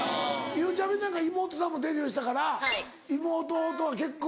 ゆうちゃみなんか妹さんもデビューしたから妹と結構。